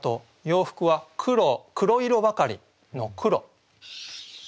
「洋服は黒色ばかり」の「黒」。